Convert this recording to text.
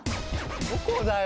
どこだよ